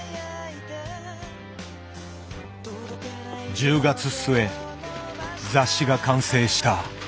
１０月末雑誌が完成した。